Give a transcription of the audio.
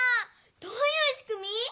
どういうしくみ？